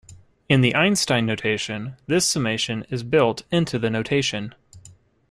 In the Einstein notation this summation is built into the notation.